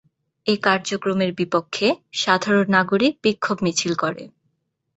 এ কার্যক্রমের বিপক্ষে সাধারণ নাগরিক বিক্ষোভ মিছিল করে।